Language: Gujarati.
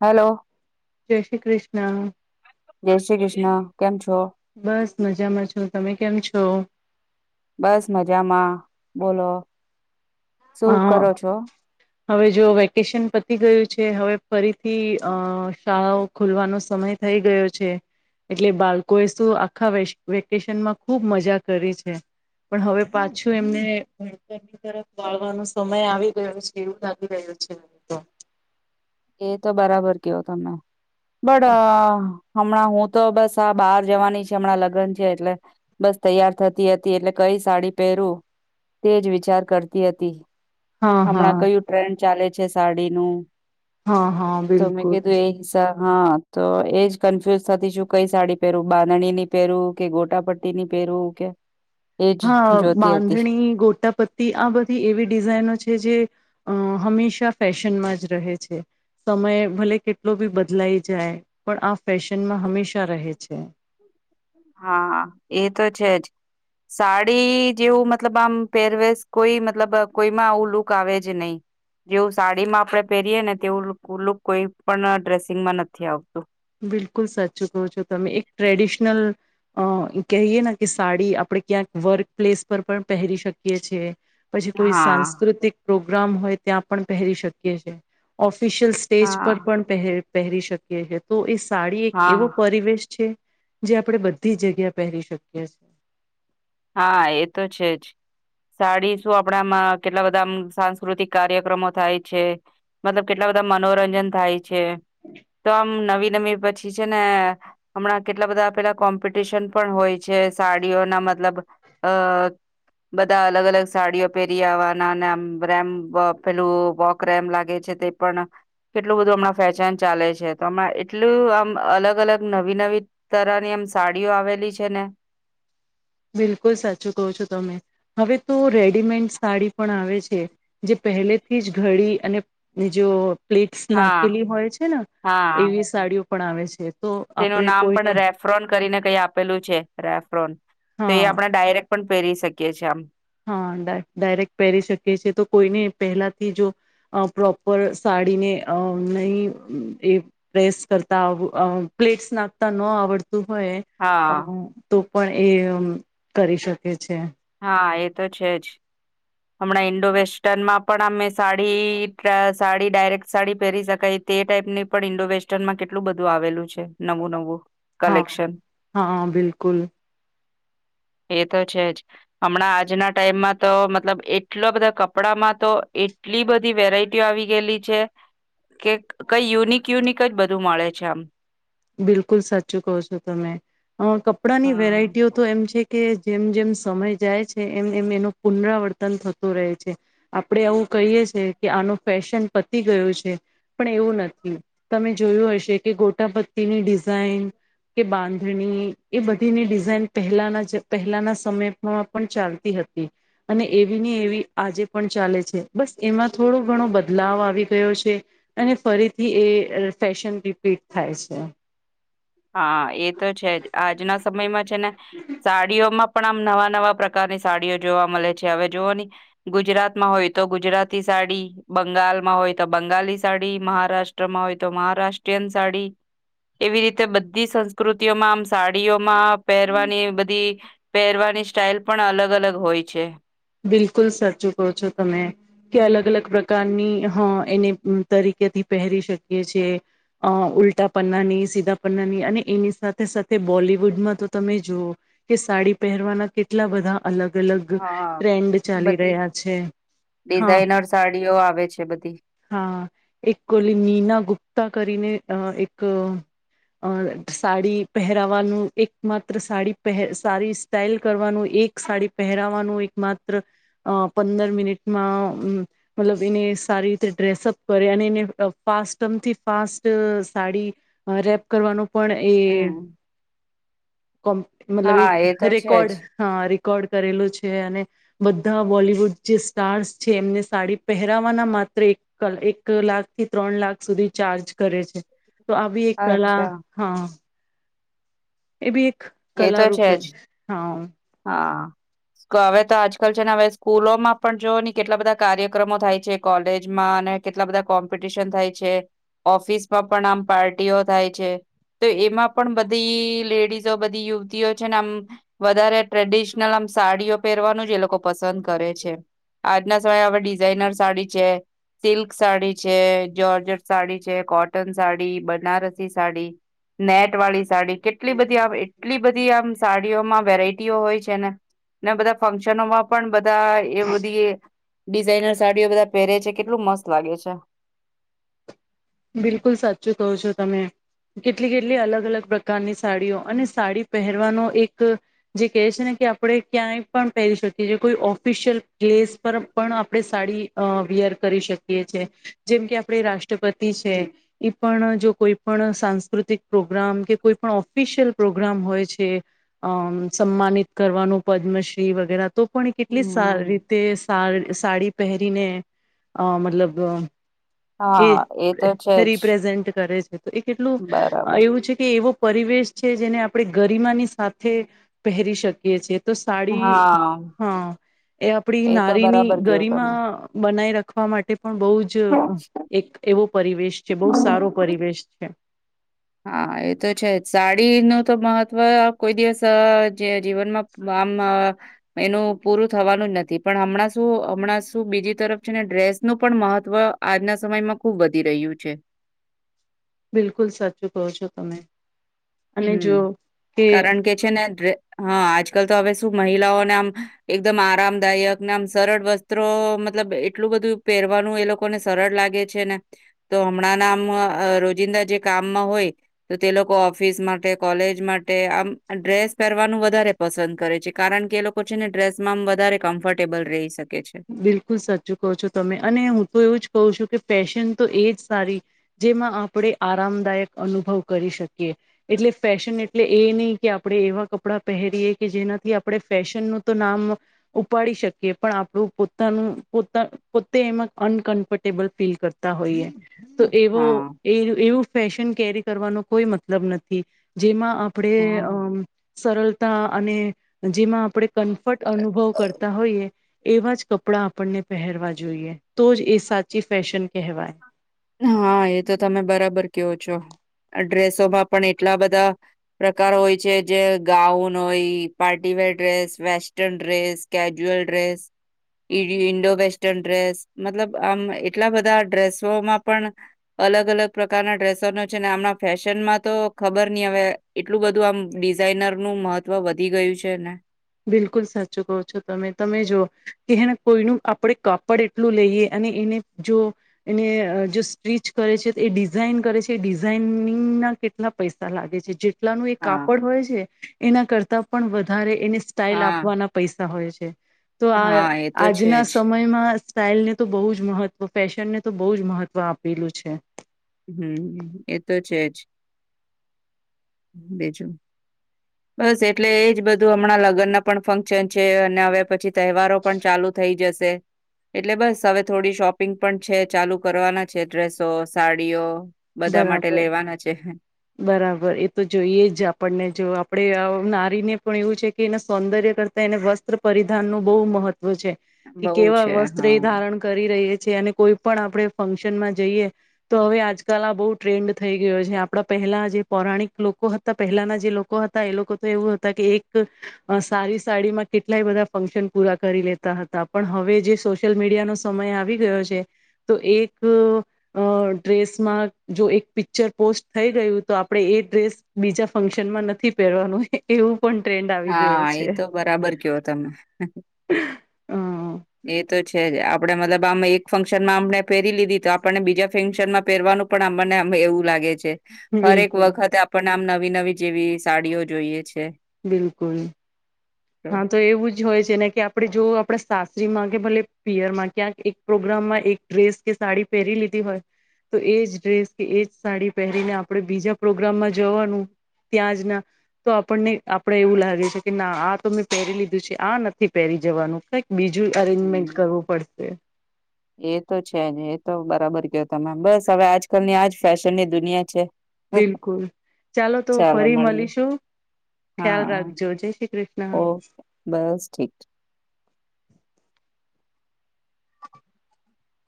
હલો જય શ્રી કૃષ્ણ જય શ્રી કૃષ્ણ કેમ છો બસ મજામાં છો, તમે કેમ છો બસ મજામાં બોલો શું અ કરો છો હવે જો વેકેશન પતી ગયું છે હવે ફરીથી અ શાળાઓ ખોલવાનો સમય થઈ ગયો છે એટલે બાળકો એ શું આખા વેકેશનમાં ખુબ મજા કરી છે પણ હવે પાછું એમને ભણતર ની તરફ વાળવાનો સમય આવી ગરહ્યો છે એવું લાગી રહ્યું છે મને તો એ તો બરાબર કેયો તમને બડા હમણાં હું તો બસ આ બાર જવાની છે હમણાં લગ્ન છે એટલે બસ તૈયાર થતી હતી એટલે કઈ સાડી પહેરું તેજ વિચાર કરતી હતી હા હા હમણાં કયું ટ્રેન્ડ ચાલે છે સાડીનું હા, હા, તો મેં બિલકુલ કીધું એ હિસાબ હા તો એજ કન્ફ્યુઝ થતી છું કઈ સાડી પહેરવું બાંધણી ની પેરવું કે ગોટા પટ્ટી ની પેરવું કે. એજ હા જોતી હતી બાંધણી ગોટા પતી આ બધી એવી ડિઝાઇનો છે જે, અ હંમેશા ફેશનમાં જ રહે છે સમય ભલે કેટલો બી બદલાઈ જાય, પણ આ ફેશનમાં હંમેશા રહે છે. હા એ તો છે જ, સાડી જેવું મતલબ આમ પહેરવે કોઈ મતલબ કોઈમાં આવું લુક આવે જ નહી, જેવું સાડીમાં આપડણે પહેરીય ને તેવું લુક કોઈ પણ ડ્રેસિંગમાં નથી આવ બિલકુલ સાચું કહો છો તમે એક ટ્રેડિશનલ અ કહીએ ને કે સાડી આપડણે ક્યાંક વર્ક પ્લેસ પર પણ પહેરી શકીએ છેએ. પછી કોઈ હા સાંસ્કૃતિક પ્રોગ્રામ હોય ત્યાં પણ પહેરી શકીએ છીએ. ઓફીસ્પિશિયલ સ્ટેજ પર હા પણ પહેર પહેરી શકીએ. તો સાડી એક હા એવો પરિવેશ છે. જે આપણે બધી જગ્યા પહેરી શકીએ છે એ. હા એ તો છે, જ સાડી શું આપડામાં કેટલા બધામ સાંસ્કૃતિક કાર્યક્રમો થાય છે, મતલબ કેટલા બધા મનોરંજન થાય છે. તો આમ નવી પછી છે ને, હમણાં કેટલા બધા પેલા કોમ્પિટિશન પણ હોય છે સાડીઓ ના મતલબ અ બધા અલગ અલગ સાડીઓ પહેરી આવવાના આમ, રેમ પેલું વોક રેમ લાગે છે તે પણ કેટલું બધું હમણાં ફેશન ચાલે છે તો હમણા એટલું આમ અલગ અલગ નવી નવી તરની આમ સાડીઓ આવેલી છે ને. બિલકુલ સાચું કહો છો તમે, હવે તો રેડીમેડ સાડી પણ આવે છે, જે પહેલેથી જ ઘડી અને બી જો પ્લેટ્સ હા નાખેલી હોય છે ને, હા એવી સાડીઓ પણ આવે છે તો તેનું આપણે નામ કોઈને પણ રેફ્રોન કરીને કઈ આપેલું છે રફ પ્રોન તે, હા એ આપણે ડાયરેક્ટ પણ પહેરી શકીએ છીએ આમ હા, ડાયરેક્ટ પહેરી શકી છે તો કોઈને પહેલાથી જો પ્રોપર સાડીને અ નહી એ પ્રેસ કરતા આવ પ્લેટ્સ નાખતા ન આવડતા [unintelligible] હોય અ હા તો પણ એ એમ કરી શકે છે હા, એ તો છે જ હમણાં ઈન્ડો વેસ્ટનમાં પણ અમે સાડી, સાડી ડાયરેક્ટ સાડી પહેરી શકાય તે ટાઈપની પણ ઈન્ડો વેસ્ટર્નમાં કેટલું બધું આવેલું છે નવું નવું હા, કલેક્શન હા, બિલકુલ એ તો છે જ હમણાં આજના ટાઈમમાં તો મતલબ એટલા બધા કપડામાં તો એટલી બધી વેરાયટી આવી ગયેલી છે કે કઈ યુનિક યુનિક જ બધું મળે છે આમ બિલકુલ સાચું કહો છો તમે કપડા ની હા વેરાયટીઓ તો એમ છે કે જેમ જેમ સમય જાય છે એમ એમ એનું પુનરાવર્તન થતું રહે છે આપડે આવું કહીએ છે કે આનો ફેશન પતી ગયું છે પણ એવું નથી તમે જોયું હશે કે ગોટા ભ ની ડિઝાઇન કે બાંધણી એ બધીની ડિઝાઇન પહેલાના, પહેલાના સમયમાં પણ ચાલતી હતી અને એવી ને એવી આજે પણ ચાલે છે બસ એમાં થોડો ઘણો બદલાવ આવી ગયો છે અને ફરીથી એ ફેશન રિપીટ થાય છે [inaudible] હા, એ તો છે જ આજના સમયમાં છે ને સાડીઓમાં પણ આમ નવા નવા પ્રકારની સાડીઓ જોવા મળે છે હવે જોુઓ ની ગુજરાતમાં હોય તો ગુજરાતી સાડી, બંગાળમાં હોય તો બંગાલી, સાડી મહારાષ્ટ્રમાં હોય તો મહારાષ્ટ્રીયન સાડી એવી રીતે બધી સંસ્કૃતિઓમાં આમ સાડીઓમાં પહેરવાની બધી. પહેરવાની સ્ટાઇલ પણ અલગ અલગ હોય છે. બિલકુલ સાચું કહો છો તમે કે અલગ-અલગ પ્રકારની હ એને તરીકેથી પહેરી શકીએ છે, અ ઉલ્ટા પન્નાની સીધા પન્નાની અને એની સાથે સાથે બોલિવુડમાં તો તમે જુઓ, કે સાડી પહેરવાના કેટલા બધા અલગ-અલગ હા ટ્રેન્ડ ચાલી બધી રહ્યા છે, હા ડિઝાઇનર સાડીઓ આવે છે બધી. હા એક કોલી નીના ગુપ્તા કરીને અ એક અ સાડી પહેરાવાનું એક માત્ર સાડી પહે સારી સ્ટાાઈલ કરવાનું એક સાડી પહેરાવાનું એક માત્ર, પંદર મિનિટમાં મતલબ એને સારી રીતે ડ્રેસઅપ કરે અને એને ફાસમથી ફાસ્ટ સાડી રેપ કરવાનું પણ એ હમ. કો્ મતલબ હા તો એ છે રેકોર્ડ જ હા રેકોર્ડ કરેલું છે અને બધા બોલિવુડ જે સ્ટાર્સ છે એમને સાડી પહેરાવાના માત્ર એક એક લાખથી ત્રણ લાખ સુધી ચાર્જ કરે છે. તો આવી એક કળા અચ્છા હા. એવી એક એ તો કલા છે રૂપે જ, હા હા. હવે તો આજકાલ છે ને હવે સ્કૂલોમાં પણ જોઓ કેટલા બધા કાર્યક્રમો થાય છે કોલેજમાં અને કેટલા બધા કોમ્પિટિશન થાય છે, ઓફિસમાં પણ આમ પાર્ટીઓ થાય છે, તો એમાં પણ બધી લેડીસ જો બધી યુવતીઓ છે ને આમ વધારે ટ્રેડિશનલ આમ સાડીઓ પહેરવાનું જ એ લોકો પસંદ કરે છે આજના સમયે હવે ડિઝાઇનર સાડી છે સિલ્ક સાડી છે જર્જર સાડી છે કોટન સાડી બનારસી સાડી નેટ વાળી સાડી કેટલી બધી એટલી બધી આમ સાડીઓમાં વેરાયટીઓ હોય છે ને. ને બધા ફંક્શનોમાં પણ બધા એ બધી ડિઝઇનર સાડીઓ બધા પહેરે છે કેટલું મસ્ત લાગે છે બિલકુલ સાચું કહો છો તમે કેટલી કેટલી અલગ અલગ પ્રકારની સાડીઓ, અને સાડી પહેરવાનો એક જે કહે છે ને કે આપણે ક્યાંય પણ પહેરી શકીએ છે કોઈ ઓફિશિયલ પ્લેસ પર પણ આપણે સાડી વિયર કરી શકીએ છે જેમ કે આપણે રાષ્ટ્રપત છે ઈ પણ જો કોઈ પણ સાંસ્કૃતિક પ્રોગ્રામ કે કોઈ પણ ઓફિશિયલ પ્રોગ્રામ હોય છે અમ સમાનિત કરવાનું પદ્મશ્રી વગેરે તો પણ એ કેટલી સારી હમ રીતે સાડી પહેરીને અ મતલબ હા, એ તો છે જ રીપ્રઝેન્ટ કરે છે એ, કેટલું બરાબર એવું છે, કે એવો પરિવેશ છે જેને આપણે ગરિમાની સાથે પહેરી શકીએ છીએ તો સાડી હા હા, એ આપડી તો નારીની બરાબર કયો તમે ગરીમાં બનાઈ રાખ ખવા માટે પણ બહુ જ, એક એવો પરિવેશ છે બહુ સારો પરિવેશ છે [inaudible] હા, એ તો છે જ સાડીનું તો મહત્વ કોઈ દિવસ જે જીવનમાં આમ એનું પૂરું થવાનું જ નથી પણ હમણાં શુ હમણાં શું બીજી તરફ છે ને ડ્રેસનું પણ મહત્વ આજના સમયમાં ખુબ વધી રહ્યું છે બિલકુલ સાચું કહો છો તમે અને હમ, જો કારણ કે છે ને હા, આજકાલ તો હવે શું મહિલાઓને આમ એકદમ આરામદાયકને આમ સરળ વસ્ત્રો મતલબ એટલું બધું પહેરવાનું એ લોકોને સરળ લાગે છે ને તો હમણાં ના આમ રોજિંદા જે કામમાં હોય તો તે લોકો ઓફિસ માટે કોલેજ માટે આમ ડ્રેસ પહેરવાનું વધારે પસંદ કરે છે કારણ કે એ લોકો છે ને ડ્રેસમાં આમ વધારે કમ્ફર્ટેબલ રહી શકે. છે. બિલકુલ સાચું કહો છો તમે અને હું તો એવું જ કહું છું કે ફેશન તો એ જ સારી જેમાં આપણે આરામદાયક અનુભવ કરી શકીએ, એટલે ફેશન એટલે એ નહી કે, આપણે એવા કપડાં પહેરીએ કે જેનાથી આપણે ફેશનનુંું તો નામ ઉપાડી શકીએ, પણ આપણું પોતાનું પોતા પોતે એમાં અનકમ્ફર્ટેબલ ફીલ કરતા હોઈએ. તો એવો હા એ એવું ફેશન કેરી કરવાનો કોઈ મતલબ નથી, જેમાં આપડે હા અમ સરળતા અને, જેમાં આપણે કમ્ફર્ટ અનુભવ કરતા હોઈએ, એવા જ કપડાં આપણને પહેરવા જોઈએ તો જ એ સાચી ફેશન કહેવાય. હા એ તો તમે બરાબર કેવો છો ડ્રેસોમાં પણ એટલા બધા પ્રકાર હોય છે જે ગાઉન હોય party wear dress western dress casual dress, Indo western dress મતલબ આમ એટલા બધા ડ્રેસોમાં પણ અલગ અલગ પ્રકારના ડ્રેસો ન છે ને હમણાં ફેશનમાં તો ખબર નહી હવે, એટલું બધું આમ ડિઝાાઈનર નું મહત્વ વધી ગયું છે ને. બિલકુલ સાચું કહો છો તમે તમે જો કે હેને કોઈનું આપણે કાપડ એટલું લઈએ અને એને જો એને જો સ્ટિચ કરે છે તો એ ડિઝાઇન કરે છે એ ડિઝાઇન ના કેટલા પૈસા લાગે છે જે એટલાનું એ હા, કાપડ હોય છે, એના કરતા પણ વધારે એની સ્ટાઇલ હા. આપવાના પૈસા હોય છે. તો આ હા, એ તો છે આજના જ. સમયમાં સ્ટાઇલ ને તો બહુ જ મહત્વ ફેશનને તો બહુ જ મહત્વ આપેલું છે. હમ એ તો છે જ, બીજું. બસ એટલે એજ બધું હમણાં લગ્નના પણ ફંક્શન છે અને હવે પછી તહેવારો પણ ચાલુ થઈ જશ શે. એટલે બસ હવે થોડી શોપિંગ પણ છે ચાલુ કરવાના છે ડ્રેસો સાડીઓ બધા માટે બરાબર લેવાના છે. બરાબર એ તો જોઈએ જ આપણને જો આપડે આવ નારીને પણ એવું છે કે એને સૌંદર્ય કરતા એને વસ્ત્ર પરિધાન નું બહુ મહત ત્વ છે કે બહુ કેવા છે વસ્ત્ર એ હા. ધારણ કરી રહી છી અને કોઈ પણ આપડે ફંક્શન માં જઈએ તો હવે આજ તાલના બહુ ટ્રેન્ડ થઈ ગયો છે આપડા પહેલા જે પૌરાણિક લોકો હતા પહેલાના જે લોકો હતા એ લોકો તો એવું હતા કે એક અહ સારી સાડીમાં કેટલાય બધા ફંક્શન પૂરા કરી લેતા હતા પણ હવે જે સોશયલ મીડિયાનો સમય આવી ગયો છે તો એક અહ ડ્રેસ માં જો એક પિક્ચર પોસ્ટ થઈ ગયું તો આપડે એ ડ્રેસ બીજા ફંક્શનમાં નથી પહેરવાનું એવું પણ ટ્રેન્ડ આવી હા, ગયો એ છે તો બરાબર કેયો તમે. હ એ તો છે જ આપડે મતલબ આમ એક ફંક્શનમાં આમને પહેરી લીધી તો આપણને બીજા ફંક્શન માં પહેરવાનું પણ આમ મને એવું લાગે છે. હરેક બિલકુલ વખતે આપણને આમ ન વી નવી જેવી સાડીઓ જોઈએ છે. બિલકુલ હા તો એવું જ જોએ છેને કે આપડે જો આપડા સાસરીમાં કે ભલે પિયરમાં ક્યાંક એક પ્રોગ્રામમાં એક ડ્રેસ કે સાડી પહેરી લીધી હોય તો એજ ડ્રેસ કે એજ સાડી પહેરીને આપડે બીજા પ્રોગ્રામમાં જવાનું ત્યાં જ ના તો આપણને આપડે એવું લાગે છે કે ના આ તો મેં પહેરી લીધું છે આ નથી પહેરી જવાનું કંઈક બીજું અરેન્જમેન્ટ હમ્મ. કરવું પડશે. એ તો છે ને એ તો બરાબર કયો તમે બસ હવે આજકાલ ની આજ ફેશન ની દુનિયા છે. બિલકુલ, ચાલો તો ફરી મળીશું ખ્યાલ હા રાખજો જય શ્રી કૃષ્ણ. ઓકે બસ ઠીક.